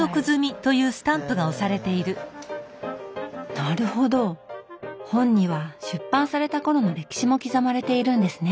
なるほど本には出版された頃の歴史も刻まれているんですね。